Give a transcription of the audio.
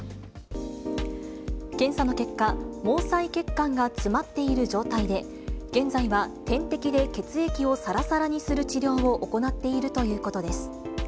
検査の結果、毛細血管が詰まっている状態で、現在は、点滴で血液をさらさらにする治療を行っているということです。